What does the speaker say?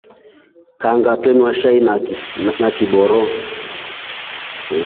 Kangama twenywa shai na kiboro.